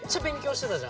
してた。